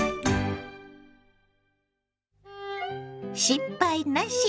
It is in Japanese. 「失敗なし！